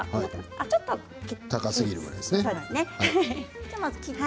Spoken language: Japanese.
これはちょっと高すぎるぐらいですね？